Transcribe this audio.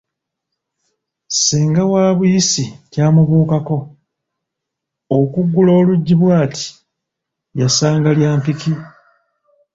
Senga wa Buyisi kyamubuukako, okuggula oluggi bw'ati yasanga lya mpiki!